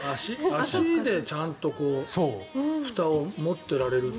足でちゃんとふたを持ってられるって。